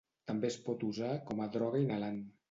També es pot usar com a droga inhalant.